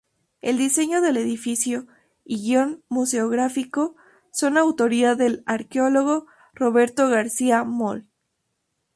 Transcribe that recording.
El diseño del edificio y guion museográfico son autoría del arqueólogo Roberto García Moll.